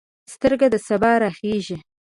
سترګه د سبا راخیژي